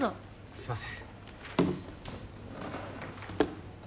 すいません。